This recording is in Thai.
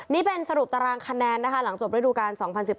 นี่เป็นสรุปตารางคะแนนนะคะหลังจบฤดูการ๒๐๑๘